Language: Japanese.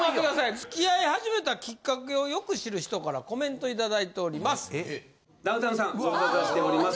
付き合い始めたきっかけをよく知る人からコメント頂いております。